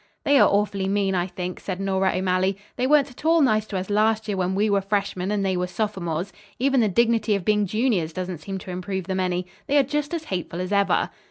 "They are awfully mean, I think," said Nora O'Malley. "They weren't at all nice to us last year when we were freshmen and they were sophomores. Even the dignity of being juniors doesn't seem to improve them any. They are just as hateful as ever."